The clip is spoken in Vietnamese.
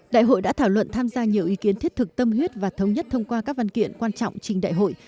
đại hội đã thảo luận tham gia nhiều ý kiến thiết thực tâm huyết và thống nhất thông qua các văn kiện quan trọng trình đại hội